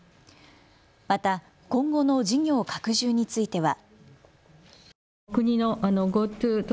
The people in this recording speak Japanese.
また今後の事業の拡充については。